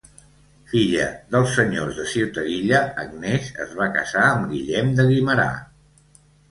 Filla dels senyors de Ciutadilla, Agnès es va casar amb Guillem de Guimerà.